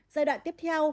giai đoạn tiếp theo